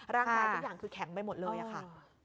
ร่างกายทุกอย่างคือแข็งไปหมดเลยอะค่ะ